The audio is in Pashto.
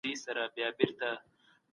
که ميرمن ناصالحه وه، نو خاوند به ناآرام وي